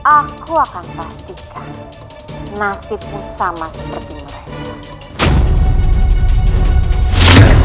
aku akan pastikan nasibku sama seperti mereka